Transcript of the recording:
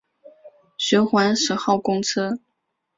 循环十号公车